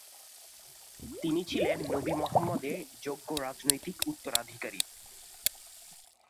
তিনি ছিলেন নবী মুহাম্মাদের যোগ্য রাজনৈতিক উত্তরাধিকারী।